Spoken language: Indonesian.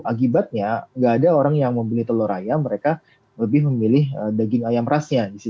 akibatnya nggak ada orang yang membeli telur ayam mereka lebih memilih daging ayam rasnya